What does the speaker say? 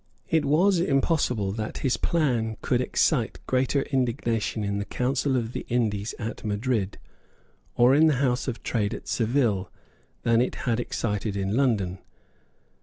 It was impossible that his plan could excite greater indignation in the Council of the Indies at Madrid, or in the House of Trade at Seville, than it had excited in London.